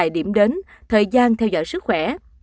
điểm đến thời gian theo dõi sức khỏe